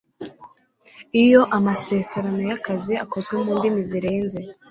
Iyo amaseserano y akazi akozwe mu ndimi zirenze